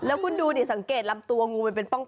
แล้วคุณดูดิสังเกตลำตัวงูมันเป็นป้อง